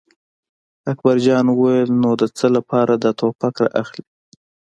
اکبر جان وویل: نو د څه لپاره دا ټوپک را اخلې.